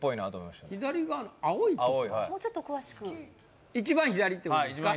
もうちょっと詳しく一番左ってことですか？